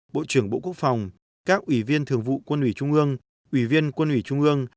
bộ trưởng bộ quốc phòng các ủy viên thường vụ quân ủy trung ương ủy viên quân ủy trung ương